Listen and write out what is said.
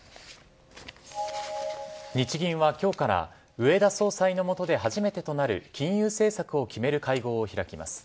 日銀は今日から植田総裁の下で初めてとなる金融政策を決める会合を開きます。